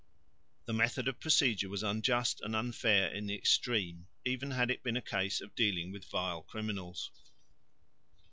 The method of procedure was unjust and unfair in the extreme, even had it been a case of dealing with vile criminals.